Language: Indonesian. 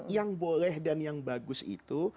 yang boleh dan yang bagus itu